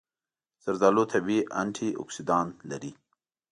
زردآلو طبیعي انټياکسیدان لري.